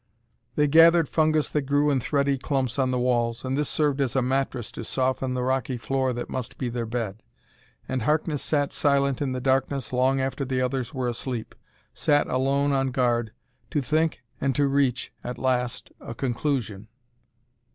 They gathered fungus that grew in thready clumps on the walls, and this served as a mattress to soften the rocky floor that must be their bed. And Harkness sat silent in the darkness long after the others were asleep sat alone on guard, to think and to reach, at last, a conclusion.